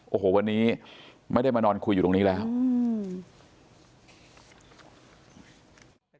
โอ้โหวันนี้ไม่ได้มานอนคุยอยู่ตรงนี้แล้วอืม